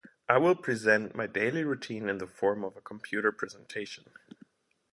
I will present my daily routine in the form of a computer presentation.